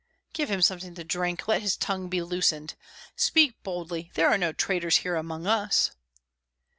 "Give him something to drink, let his tongue be loosened! Speak boldly, there are no traitors here among us."